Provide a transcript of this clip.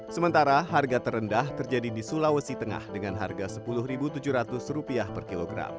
sementara harga terendah terjadi di sulawesi tengah dengan harga rp sepuluh tujuh ratus per kilogram